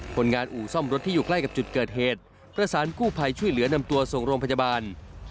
คนงานอู่ซ่อมรถที่อยู่ใกล้กับจุดเกิดเหตุประสานกู้ภัยช่วยเหลือนำตัวส่งโรงพยาบาล